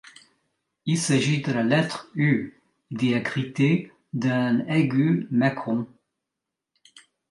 Il s'agit de la lettre U diacritée d'un aigu-macron.